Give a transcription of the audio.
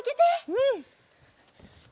うん！